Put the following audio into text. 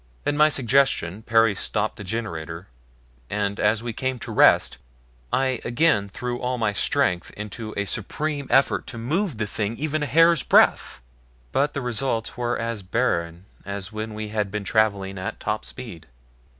At my suggestion Perry stopped the generator, and as we came to rest I again threw all my strength into a supreme effort to move the thing even a hair's breadth but the results were as barren as when we had been traveling at top speed.